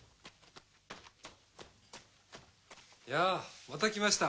やぁまた来ました。